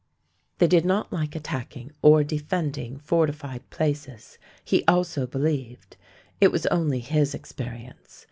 They did not like attacking or defending fortified places, he also believed. It was only his experience.